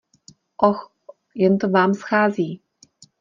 Oh, jen to vám schází!